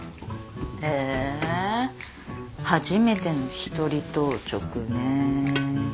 へえ初めての一人当直ねえ。